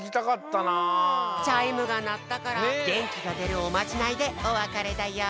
チャイムがなったからげんきがでるおまじないでおわかれだよ。